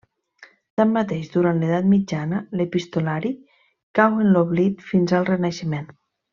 Tanmateix, durant l'Edat mitjana l'epistolari cau en l'oblit fins al Renaixement.